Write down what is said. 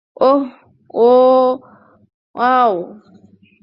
ওহ, wow.